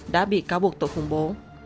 đã bị cáo buộc tội khủng bố